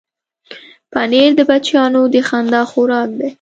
پنېر د بچیانو د خندا خوراک دی.